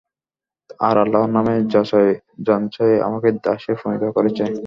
আর আল্লাহর নামে যাঞ্চাই আমাকে দাসে পরিণত করেছে।